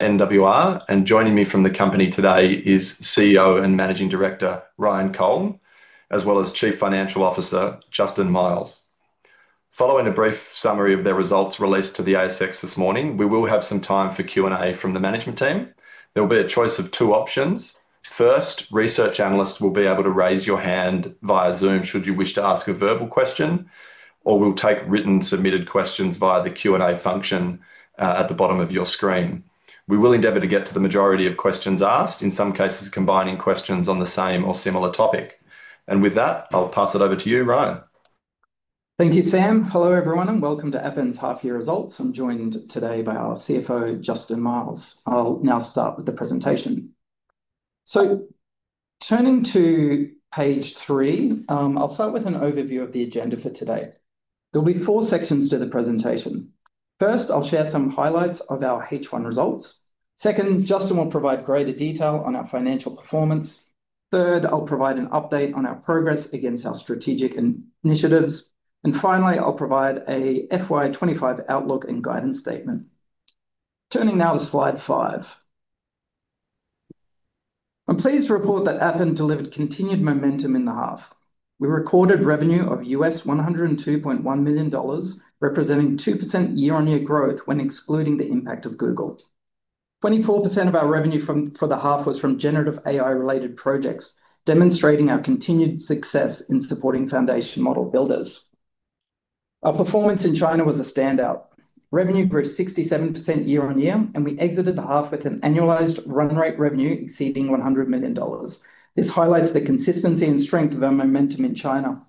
NWR, and joining me from the company today is CEO and Managing Director Ryan Kolln, as well as Chief Financial Officer Justin Miles. Following a brief summary of their results released to the ASX this morning, we will have some time for Q&A from the management team. There will be a choice of two options. First, research analysts will be able to raise your hand via Zoom should you wish to ask a verbal question, or we'll take written submitted questions via the Q&A function at the bottom of your screen. We will endeavor to get to the majority of questions asked, in some cases combining questions on the same or similar topic. With that, I'll pass it over to you, Ryan. Thank you, Sam. Hello everyone, and welcome to Appen's half-year results. I'm joined today by our CFO, Justin Miles. I'll now start with the presentation. Turning to page three, I'll start with an overview of the agenda for today. There'll be four sections to the presentation. First, I'll share some highlights of our H1 results. Second, Justin will provide greater detail on our financial performance. Third, I'll provide an update on our progress against our strategic initiatives. Finally, I'll provide an FY 2025 outlook and guidance statement. Turning now to slide five, I'm pleased to report that Appen delivered continued momentum in the half. We recorded revenue of $102.1 million USD, representing 2% year-on-year growth when excluding the impact of Google. 24% of our revenue for the half was from generative AI-related projects, demonstrating our continued success in supporting foundation model builders. Our performance in China was a standout. Revenue grew 67% year-on-year, and we exited the half with an annualized run-rate revenue exceeding $100 million. This highlights the consistency and strength of our momentum in China.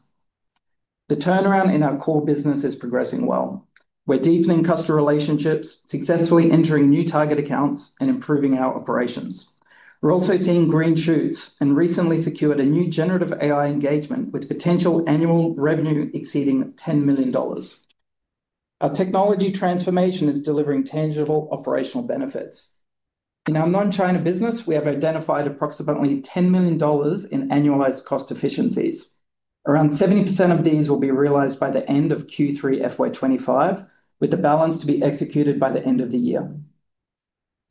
The turnaround in our core business is progressing well. We're deepening customer relationships, successfully entering new target accounts, and improving our operations. We're also seeing green shoots and recently secured a new generative AI engagement with potential annual revenue exceeding $10 million. Our technology transformation is delivering tangible operational benefits. In our non-China business, we have identified approximately $10 million in annualized cost efficiencies. Around 70% of these will be realized by the end of Q3 FY 2025, with the balance to be executed by the end of the year.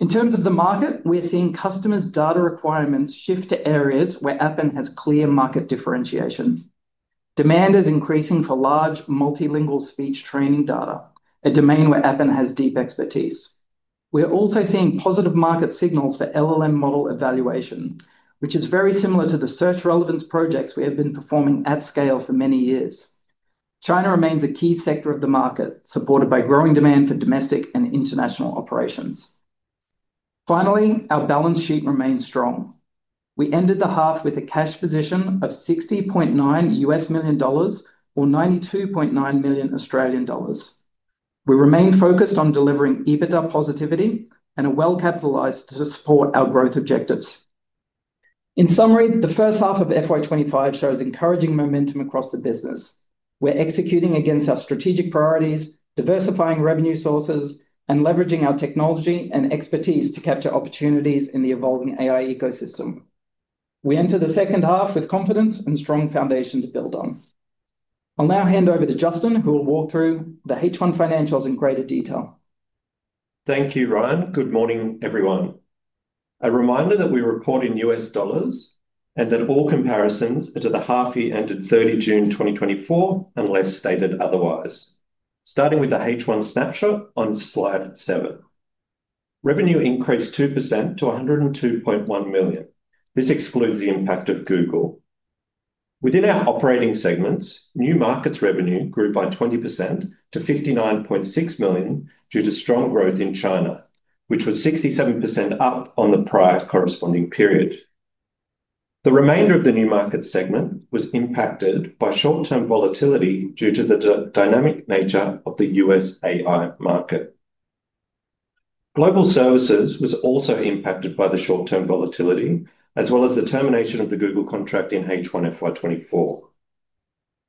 In terms of the market, we're seeing customers' data requirements shift to areas where Appen has clear market differentiation. Demand is increasing for large multilingual speech training data, a domain where Appen has deep expertise. We're also seeing positive market signals for LLM model evaluation, which is very similar to the search relevance projects we have been performing at scale for many years. China remains a key sector of the market, supported by growing demand for domestic and international operations. Finally, our balance sheet remains strong. We ended the half with a cash position of $60.9 million or A$92.9 million. We remain focused on delivering EBITDA positivity and are well-capitalized to support our growth objectives. In summary, the first half of FY 2025 shows encouraging momentum across the business. We're executing against our strategic priorities, diversifying revenue sources, and leveraging our technology and expertise to capture opportunities in the evolving AI ecosystem. We enter the second half with confidence and a strong foundation to build on. I'll now hand over to Justin, who will walk through the H1 financials in greater detail. Thank you, Ryan. Good morning, everyone. A reminder that we report in U.S. dollars and that all comparisons are to the half we ended 30 June 2024, unless stated otherwise. Starting with the H1 snapshot on slide seven, revenue increased 2% to $102.1 million. This excludes the impact of Google. Within our operating segments, new markets revenue grew by 20% to $59.6 million due to strong growth in China, which was 67% up on the prior corresponding period. The remainder of the new markets segment was impacted by short-term volatility due to the dynamic nature of the U.S. AI market. Global services was also impacted by the short-term volatility, as well as the termination of the Google contract in H1 FY 2024.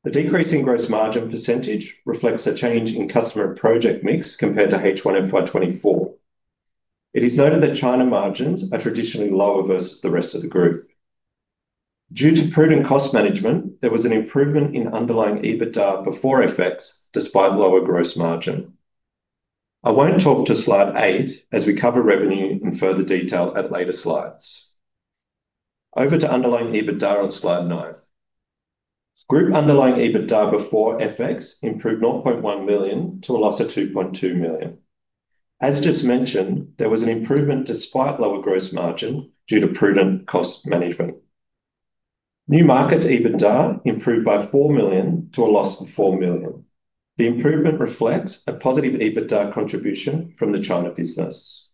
The decrease in gross margin percentage reflects a change in customer project mix compared to H1 FY 2024. It is noted that China margins are traditionally lower versus the rest of the group. Due to prudent cost management, there was an improvement in underlying EBITDA before FX, despite lower gross margin. I won't talk to slide eight as we cover revenue in further detail at later slides. Over to underlying EBITDA at slide nine. Group underlying EBITDA before FX improved $0.1 million to a loss of $2.2 million. As just mentioned, there was an improvement despite lower gross margin due to prudent cost management. New markets EBITDA improved by $4 million to a loss of $4 million. The improvement reflects a positive EBITDA contribution from the China business.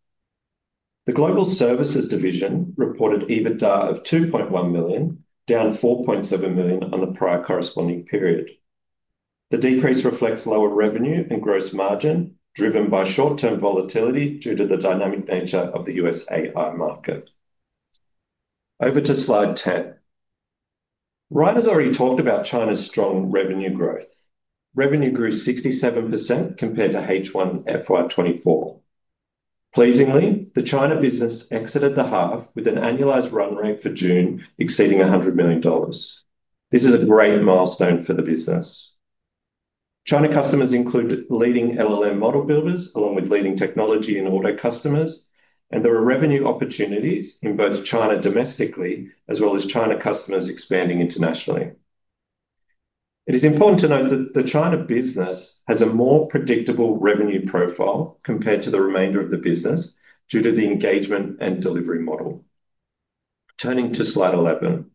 The global services division reported EBITDA of $2.1 million, down $4.7 million on the prior corresponding period. The decrease reflects lower revenue and gross margin, driven by short-term volatility due to the dynamic nature of the U.S. AI market. Over to slide ten. Ryan has already talked about China's strong revenue growth. Revenue grew 67% compared to H1 FY 2024. Pleasingly, the China business exited the half with an annualized run-rate for June exceeding $100 million. This is a great milestone for the business. China customers include leading LLM model builders, along with leading technology and auto customers, and there are revenue opportunities in both China domestically, as well as China customers expanding internationally. It is important to note that the China business has a more predictable revenue profile compared to the remainder of the business due to the engagement and delivery model. Turning to slide 11.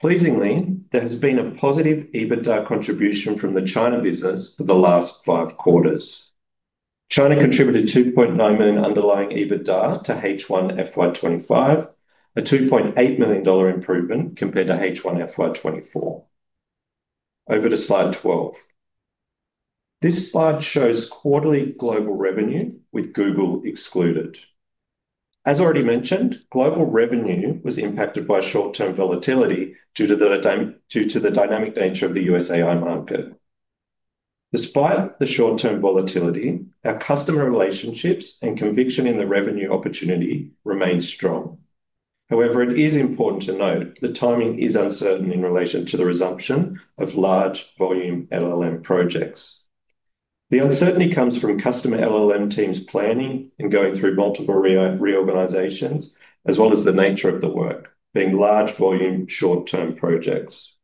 Pleasingly, there has been a positive EBITDA contribution from the China business for the last five quarters. China contributed $2.9 million underlying EBITDA to H1 FY 2025, a $2.8 million improvement compared to H1 FY 2024. Over to slide 12. This slide shows quarterly global revenue with Google excluded. As already mentioned, global revenue was impacted by short-term volatility due to the dynamic nature of the U.S. AI market. Despite the short-term volatility, our customer relationships and conviction in the revenue opportunity remain strong. However, it is important to note that timing is uncertain in relation to the resumption of large volume LLM projects. The uncertainty comes from customer LLM teams planning and going through multiple reorganizations, as well as the nature of the work, being large volume short-term projects.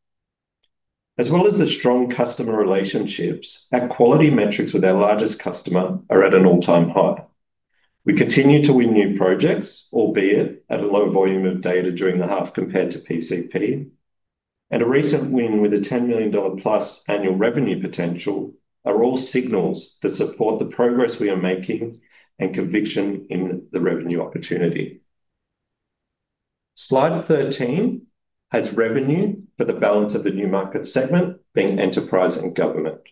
As well as the strong customer relationships, our quality metrics with our largest customer are at an all-time high. We continue to win new projects, albeit at a low volume of data during the half compared to PCP. A recent win with a $10 million+ annual revenue potential are all signals that support the progress we are making and conviction in the revenue opportunity. Slide 13 has revenue for the balance of the new market segment being enterprise and government.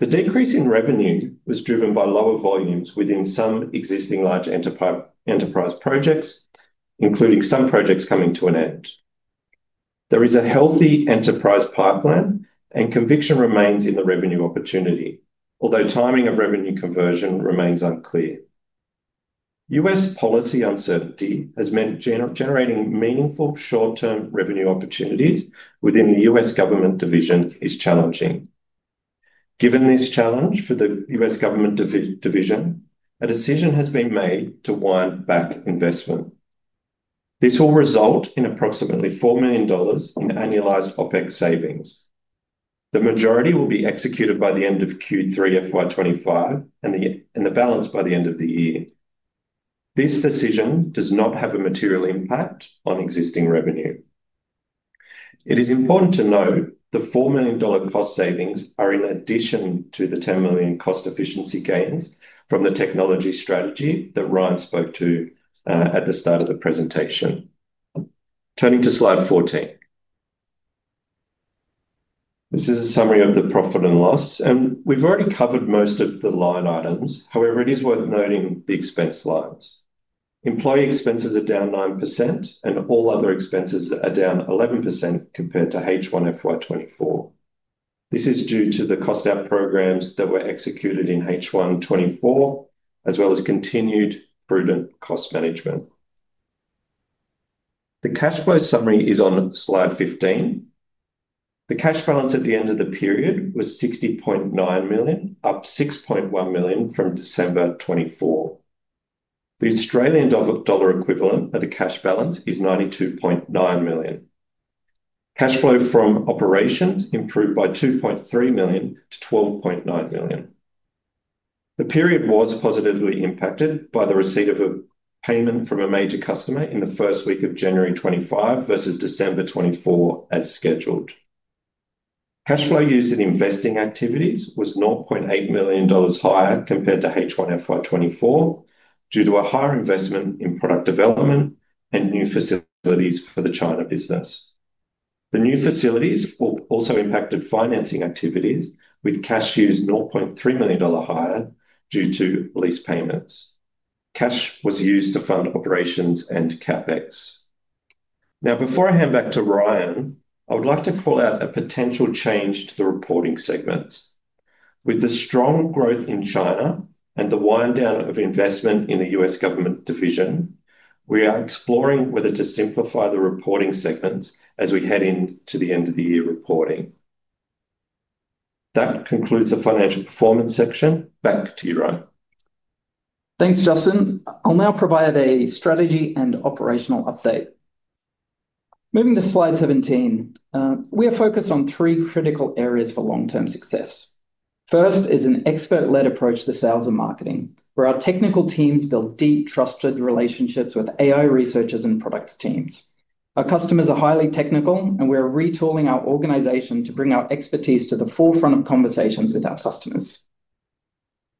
The decrease in revenue was driven by lower volumes within some existing large enterprise projects, including some projects coming to an end. There is a healthy enterprise pipeline, and conviction remains in the revenue opportunity, although timing of revenue conversion remains unclear. U.S. policy uncertainty has meant generating meaningful short-term revenue opportunities within the U.S. government division is challenging. Given this challenge for the U.S. government division, a decision has been made to wind back investment. This will result in approximately $4 million in annualized OPEX savings. The majority will be executed by the end of Q3 FY 2025 and the balance by the end of the year. This decision does not have a material impact on existing revenue. It is important to note the $4 million cost savings are in addition to the $10 million cost efficiency gains from the technology strategy that Ryan spoke to at the start of the presentation. Turning to slide 14. This is a summary of the profit and loss, and we've already covered most of the line items. However, it is worth noting the expense lines. Employee expenses are down 9%, and all other expenses are down 11% compared to H1 FY 2024. This is due to the cost-out programs that were executed in H1 FY 2024, as well as continued prudent cost management. The cash flow summary is on slide 15. The cash balance at the end of the period was $60.9 million, up $6.1 million from December 2024. The Australian dollar equivalent of the cash balance is A$92.9 million. Cash flow from operations improved by $2.3 million to $12.9 million. The period was positively impacted by the receipt of a payment from a major customer in the first week of January 2025 versus December 2024, as scheduled. Cash flow used in investing activities was $0.8 million higher compared to H1 FY 2024 due to a higher investment in product development and new facilities for the China business. The new facilities also impacted financing activities, with cash used $0.3 million higher due to lease payments. Cash was used to fund operations and CapEx. Now, before I hand back to Ryan, I would like to call out a potential change to the reporting segments. With the strong growth in China and the wind-down of investment in the U.S. government division, we are exploring whether to simplify the reporting segments as we head into the end-of-the-year reporting. That concludes the financial performance section. Back to you, Ryan. Thanks, Justin. I'll now provide a strategy and operational update. Moving to slide 17, we are focused on three critical areas for long-term success. First is an expert-led approach to sales and marketing, where our technical teams build deep, trusted relationships with AI researchers and product teams. Our customers are highly technical, and we are retooling our organization to bring our expertise to the forefront of conversations with our customers.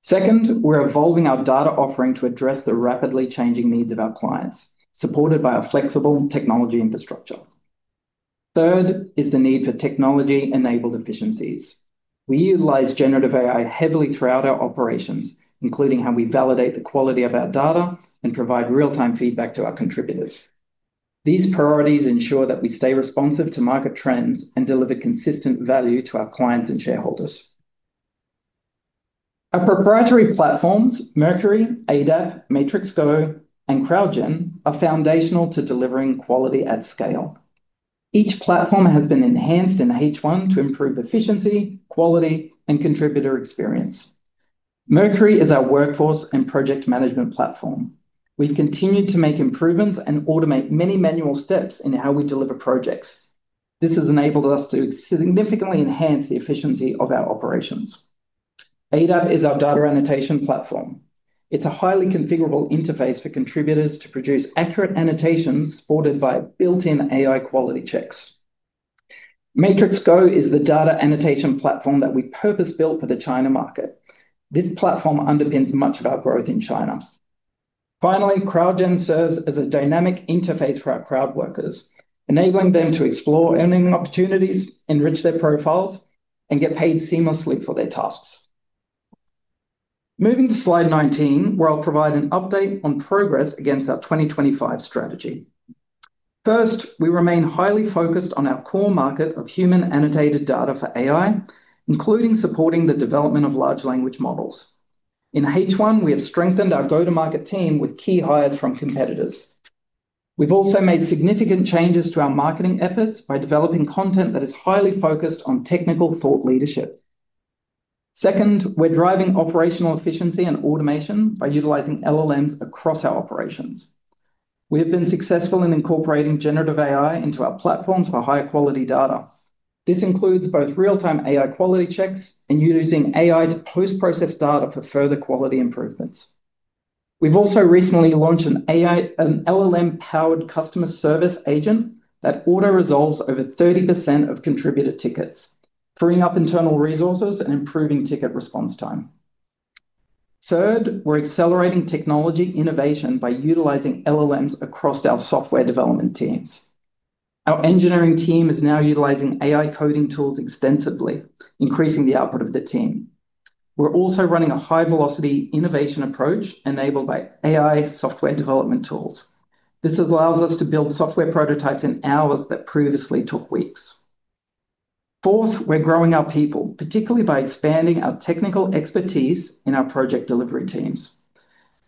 Second, we're evolving our data offering to address the rapidly changing needs of our clients, supported by a flexible technology infrastructure. Third is the need for technology-enabled efficiencies. We utilize generative AI heavily throughout our operations, including how we validate the quality of our data and provide real-time feedback to our contributors. These priorities ensure that we stay responsive to market trends and deliver consistent value to our clients and shareholders. Our proprietary platforms, Mercury, ADAP, MatrixGo, and CrowdGen, are foundational to delivering quality at scale. Each platform has been enhanced in H1 to improve efficiency, quality, and contributor experience. Mercury is our workforce and project management platform. We've continued to make improvements and automate many manual steps in how we deliver projects. This has enabled us to significantly enhance the efficiency of our operations. ADAP is our data annotation platform. It's a highly configurable interface for contributors to produce accurate annotations supported by built-in AI quality checks. MatrixGo is the data annotation platform that we purpose-built for the China market. This platform underpins much of our growth in China. Finally, CrowdGen serves as a dynamic interface for our crowd workers, enabling them to explore earning opportunities, enrich their profiles, and get paid seamlessly for their tasks. Moving to slide 19, where I'll provide an update on progress against our 2025 strategy. First, we remain highly focused on our core market of human annotated data for AI, including supporting the development of large language models. In H1, we have strengthened our go-to-market team with key hires from competitors. We've also made significant changes to our marketing efforts by developing content that is highly focused on technical thought leadership. Second, we're driving operational efficiency and automation by utilizing LLMs across our operations. We have been successful in incorporating generative AI into our platforms for high-quality data. This includes both real-time AI quality checks and using AI to post-process data for further quality improvements. We've also recently launched an LLM-powered customer service agent that auto-resolves over 30% of contributor tickets, freeing up internal resources and improving ticket response time. Third, we're accelerating technology innovation by utilizing LLMs across our software development teams. Our engineering team is now utilizing AI coding tools extensively, increasing the output of the team. We're also running a high-velocity innovation approach enabled by AI software development tools. This allows us to build software prototypes in hours that previously took weeks. Fourth, we're growing our people, particularly by expanding our technical expertise in our project delivery teams.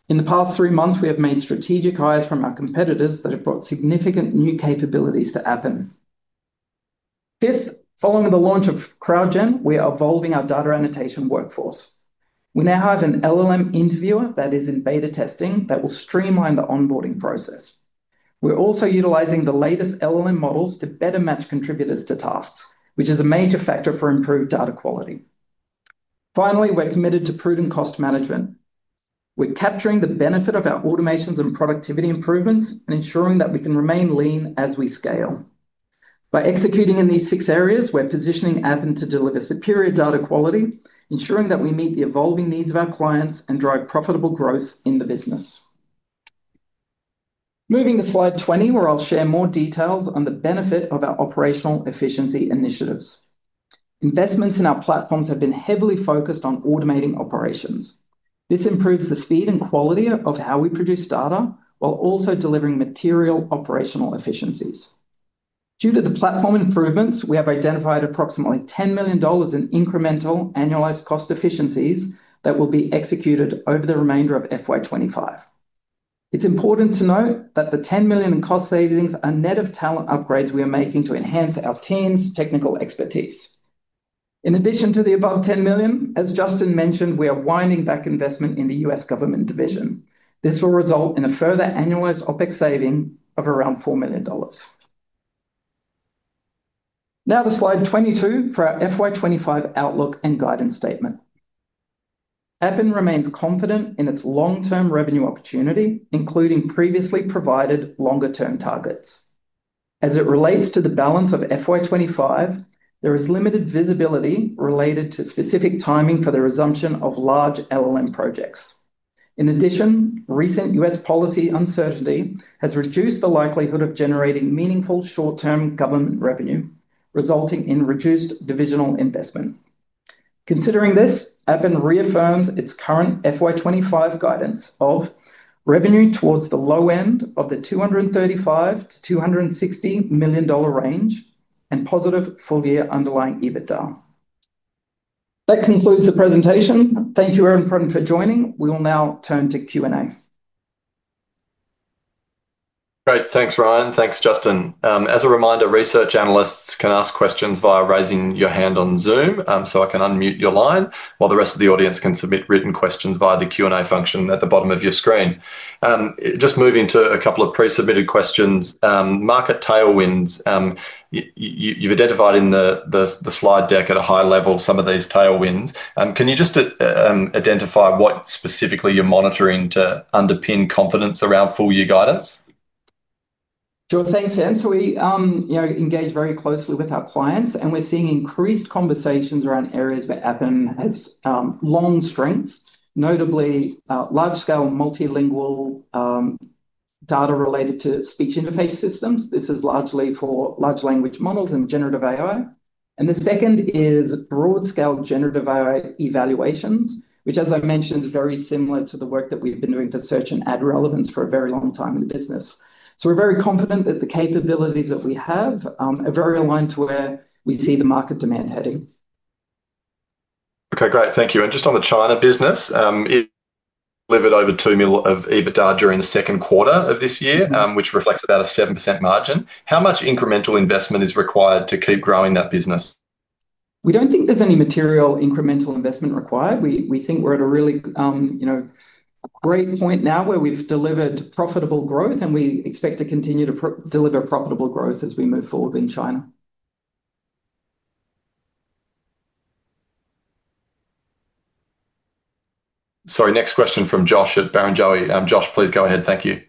In the past three months, we have made strategic hires from our competitors that have brought significant new capabilities to Appen. Fifth, following the launch of CrowdGen, we are evolving our data annotation workforce. We now have an LLM interviewer that is in beta testing that will streamline the onboarding process. We're also utilizing the latest LLM models to better match contributors to tasks, which is a major factor for improved data quality. Finally, we're committed to prudent cost management. We're capturing the benefit of our automations and productivity improvements and ensuring that we can remain lean as we scale. By executing in these six areas, we're positioning Appen to deliver superior data quality, ensuring that we meet the evolving needs of our clients and drive profitable growth in the business. Moving to slide 20, where I'll share more details on the benefit of our operational efficiency initiatives. Investments in our platforms have been heavily focused on automating operations. This improves the speed and quality of how we produce data while also delivering material operational efficiencies. Due to the platform improvements, we have identified approximately $10 million in incremental annualized cost efficiencies that will be executed over the remainder of FY 2025. It's important to note that the $10 million in cost savings are net of talent upgrades we are making to enhance our team's technical expertise. In addition to the above $10 million, as Justin mentioned, we are winding back investment in the U.S. government division. This will result in a further annualized OPEX saving of around $4 million. Now to slide 22 for our FY 2025 outlook and guidance statement. Appen remains confident in its long-term revenue opportunity, including previously provided longer-term targets. As it relates to the balance of FY 2025, there is limited visibility related to specific timing for the resumption of large LLM projects. In addition, recent U.S. policy uncertainty has reduced the likelihood of generating meaningful short-term government revenue, resulting in reduced divisional investment. Considering this, Appen reaffirms its current FY 2025 guidance of revenue towards the low end of the $235 million-$260 million range and positive full-year underlying EBITDA. That concludes the presentation. Thank you, everyone, for joining. We will now turn to Q&A. Great, thanks Ryan, thanks Justin. As a reminder, research analysts can ask questions via raising your hand on Zoom, so I can unmute your line, while the rest of the audience can submit written questions via the Q&A function at the bottom of your screen. Moving to a couple of pre-submitted questions, market tailwinds, you've identified in the slide deck at a high level some of these tailwinds. Can you just identify what specifically you're monitoring to underpin confidence around full-year guidance? Thank you, Sam. We engage very closely with our clients, and we're seeing increased conversations around areas where Appen has long strengths, notably large-scale multilingual data related to speech interface systems. This is largely for large language models and generative AI. The second is broad-scale generative AI evaluations, which, as I mentioned, is very similar to the work that we've been doing to search and ad relevance for a very long time in the business. We're very confident that the capabilities that we have are very aligned to where we see the market demand heading. Okay, great, thank you. Just on the China business, it delivered over $2 million of EBITDA during the second quarter of this year, which reflects about a 7% margin. How much incremental investment is required to keep growing that business? We don't think there's any material incremental investment required. We think we're at a really great point now where we've delivered profitable growth, and we expect to continue to deliver profitable growth as we move forward in China. Sorry, next question from Josh at Barrenjoey. Josh, please go ahead, thank you.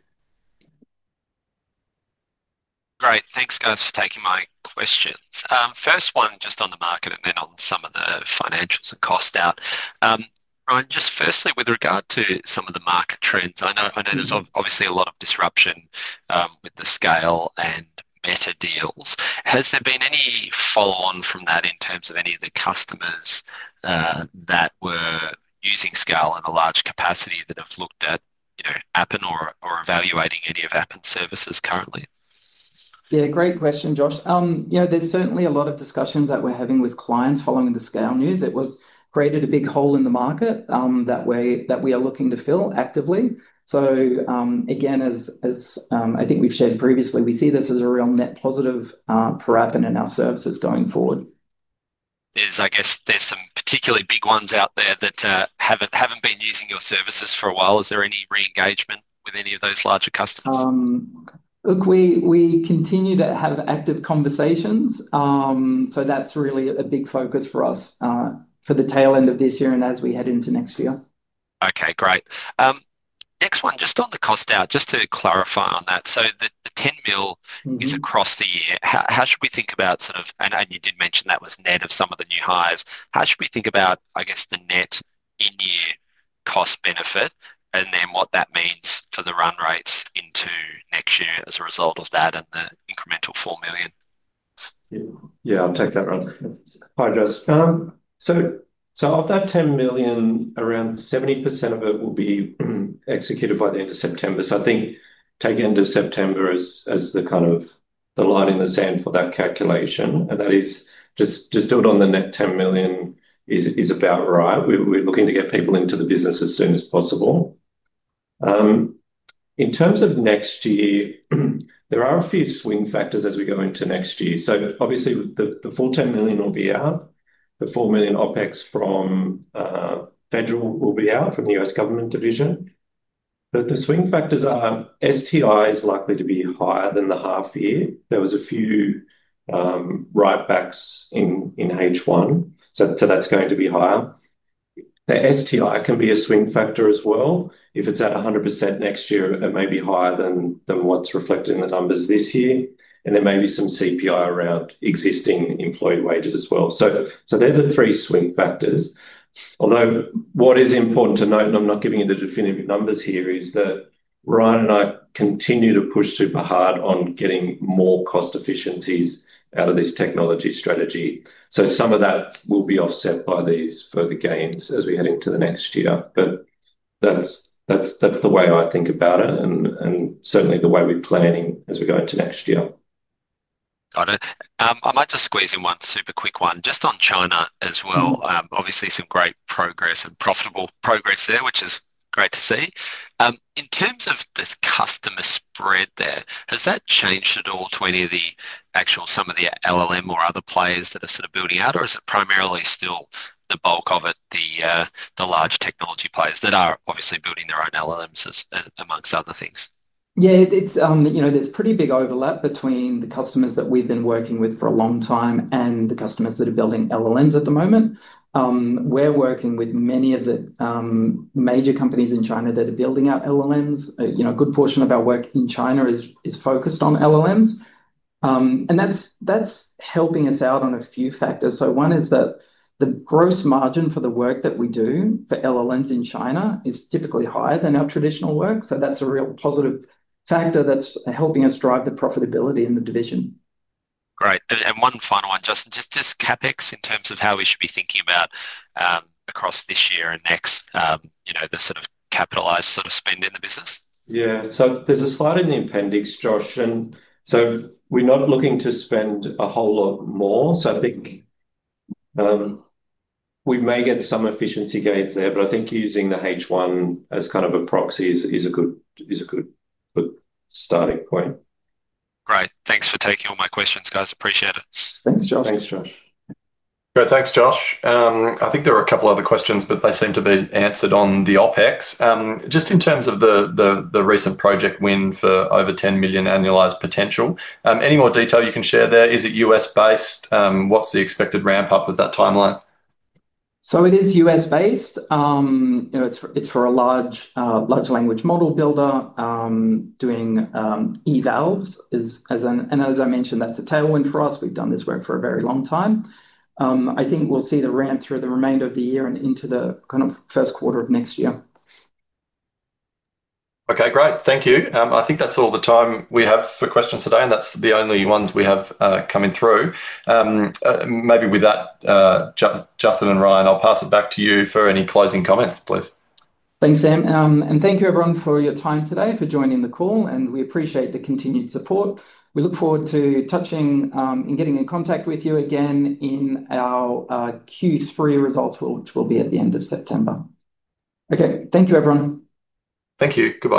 Great, thanks for taking my questions. First one, just on the market and then on some of the financials and cost out. Ryan, just firstly, with regard to some of the market trends, I know there's obviously a lot of disruption with the Scale and Meta deals. Has there been any follow-on from that in terms of any of the customers that were using Scale and a large capacity that have looked at Appen or evaluating any of Appen services currently? Great question, Josh. There's certainly a lot of discussions that we're having with clients following the Scale news. It has created a big hole in the market that we are looking to fill actively. As I think we've shared previously, we see this as a real net positive for Appen and our services going forward. I guess there's some particularly big ones out there that haven't been using your services for a while. Is there any re-engagement with any of those larger customers? We continue to have active conversations. That's really a big focus for us for the tail end of this year and as we head into next year. Okay, great. Next one, just on the cost out, just to clarify on that. The $10 million is across the year. How should we think about, and you did mention that was net of some of the new hires, how should we think about, I guess, the net in-year cost benefit and what that means for the run rates into next year as a result of that and the incremental $4 million? Yeah, I'll take that one. Hi Josh. Of that $10 million, around 70% of it will be executed by the end of September. I think take the end of September as kind of the line in the sand for that calculation. That is just distilled on the net $10 million, which is about right. We're looking to get people into the business as soon as possible. In terms of next year, there are a few swing factors as we go into next year. Obviously, the full $10 million will be out. The $4 million OPEX from federal will be out from the U.S. government division. The swing factors are STI is likely to be higher than the half year. There were a few write-backs in H1, so that's going to be higher. The STI can be a swing factor as well. If it's at 100% next year, it may be higher than what's reflected in the numbers this year. There may be some CPI around existing employee wages as well. They're the three swing factors. What is important to note, and I'm not giving you the definitive numbers here, is that Ryan and I continue to push super hard on getting more cost efficiencies out of this technology strategy. Some of that will be offset by these further gains as we head into the next year. That's the way I think about it and certainly the way we're planning as we go into next year. Got it. I might just squeeze in one super quick one, just on China as well. Obviously, some great progress and profitable progress there, which is great to see. In terms of the customer spread there, has that changed at all to any of the actual, some of the LLM or other players that are sort of building out, or is it primarily still the bulk of it, the large technology players that are obviously building their own LLMs amongst other things? Yeah, there's pretty big overlap between the customers that we've been working with for a long time and the customers that are building LLMs at the moment. We're working with many of the major companies in China that are building out LLMs. A good portion of our work in China is focused on LLMs. That's helping us out on a few factors. One is that the gross margin for the work that we do for LLMs in China is typically higher than our traditional work. That's a real positive factor that's helping us drive the profitability in the division. Great. One final one, just CapEx in terms of how we should be thinking about across this year and next, you know, the sort of capitalized sort of spend in the business. Yeah, there's a slide in the appendix, Josh, and we're not looking to spend a whole lot more. I think we may get some efficiency gains there, but I think using the H1 as kind of a proxy is a good starting point. Great, thanks for taking all my questions, guys. Appreciate it. Thanks, Josh. Thanks, Josh. I think there were a couple other questions, but they seem to be answered on the OPEX. Just in terms of the recent project win for over $10 million annualized potential, any more detail you can share there? Is it U.S.-based? What's the expected ramp-up with that timeline? It is U.S.-based. It's for a foundation model builder doing evals, and as I mentioned, that's a tailwind for us. We've done this work for a very long time. I think we'll see the ramp through the remainder of the year and into the first quarter of next year. Okay, great, thank you. I think that's all the time we have for questions today, and that's the only ones we have coming through. Maybe with that, Justin and Ryan, I'll pass it back to you for any closing comments, please. Thanks, Sam. Thank you, everyone, for your time today for joining the call, and we appreciate the continued support. We look forward to touching and getting in contact with you again in our Q3 results, which will be at the end of September. Thank you, everyone. Thank you. Goodbye.